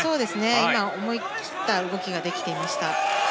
今、思い切った動きができていました。